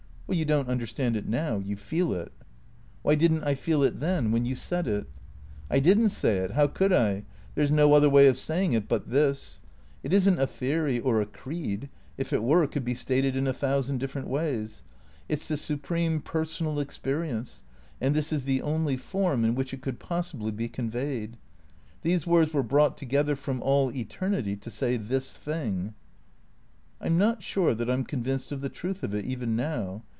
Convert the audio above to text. " You don't understand it now. You feel it." " Why did n't I feel it then ? When you said it ?"" I did n't say it. How could I ? There 's no other way of saying it but this. It is n't a theory or a creed ; if it were it could be stated in a thousand different ways. It 's the supreme personal experience, and this is the only form in which it could possibly be conveyed. These words were brought together from all eternity to say this thing." " I 'm not sure that I 'm convinced of the truth of it, even now.